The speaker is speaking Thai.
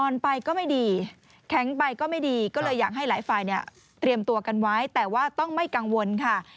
ไปก็ไม่ดีแข็งไปก็ไม่ดีก็เลยอยากให้หลายฝ่ายเนี่ยเตรียมตัวกันไว้แต่ว่าต้องไม่กังวลค่ะ